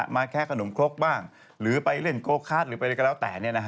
มาแค่ขนมครกบ้างหรือไปเล่นโกคาร์ดหรือไปอะไรก็แล้วแต่